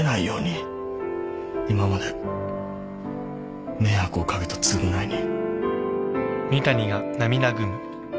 今まで迷惑を掛けた償いに。